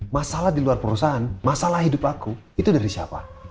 masalah di luar perusahaan masalah hidup aku itu dari siapa